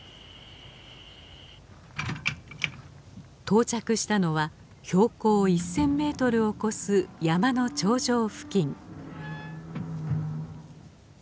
到着したのは標高１，０００ｍを超す山の頂上付近。